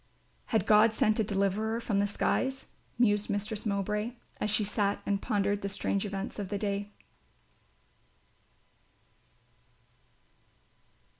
"Had God sent a deliverer from the skies?" mused Mistress Mowbray, as she sat and pondered the strange events of the day.